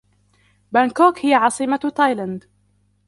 بانكوك هي عاصمة تايلاند.